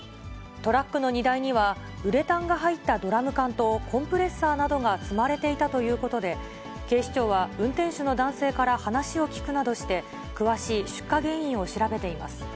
トラックの荷台には、ウレタンが入ったドラム缶とコンプレッサーなどが積まれていたということで、警視庁は運転手の男性から話を聴くなどして、詳しい出火原因を調べています。